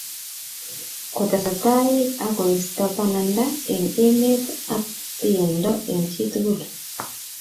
Kotesetai akoisto bananda eng emetab ako biyengto eng chitugul